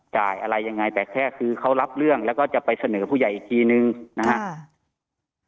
อะไรยังไงแต่แค่คือเขารับเรื่องแล้วก็จะไปเสนอผู้ใหญ่อีกทีนึงนะครับ